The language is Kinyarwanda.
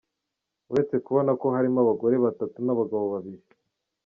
Uretse kubona ko harimo abagore batatu n’ abagabo babiri.